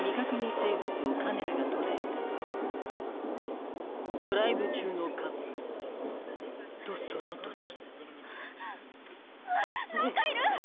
生物をカメラが捉えたドライブ中のカップルとその時あっ何かいる！